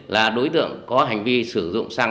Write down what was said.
là đối tượng có hành vi sử dụng xăng